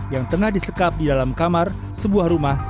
yang tengah disekap di dalam kamar sebuah rumah